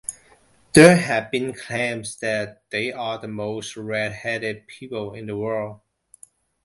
There have been claims that they are the "most red-headed" people in the world.